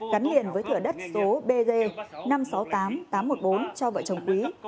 gắn liền với thửa đất số bg năm trăm sáu mươi tám tám trăm một mươi bốn cho vợ chồng quý